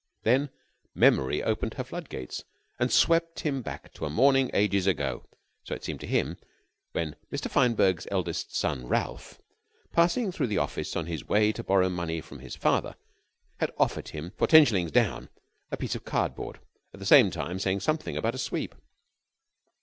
Then memory opened her flood gates and swept him back to a morning ages ago, so it seemed to him, when Mr. Fineberg's eldest son Ralph, passing through the office on his way to borrow money from his father, had offered him for ten shillings down a piece of cardboard, at the same time saying something about a sweep.